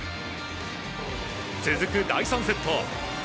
続く第３セット。